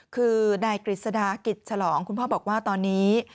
คือนายกฤษฎากิจฉลองคุณพ่อบอกว่าตอนนี้